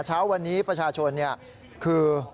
เช้าวันนี้ประชาชนคือ